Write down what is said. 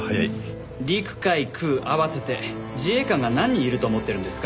陸海空合わせて自衛官が何人いると思ってるんですか？